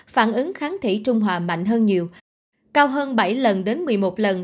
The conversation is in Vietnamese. phản ứng kháng thể trung hòa mạnh hơn nhiều cao hơn bảy lần đến một mươi một lần